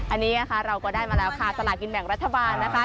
อันนี้นะคะเราก็ได้มาแล้วค่ะสลากินแบ่งรัฐบาลนะคะ